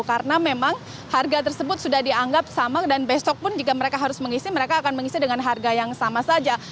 karena memang harga tersebut sudah dianggap sama dan besok pun jika mereka harus mengisi mereka akan mengisi dengan harga yang sama saja